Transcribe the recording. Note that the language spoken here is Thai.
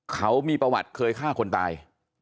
เขามีประวัติเคยฆ่าคนตาย